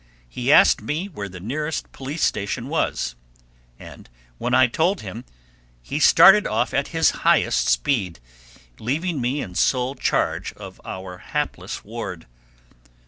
He asked me where the nearest police station was, and when I told him, he started off at his highest speed, leaving me in sole charge of our hapless ward.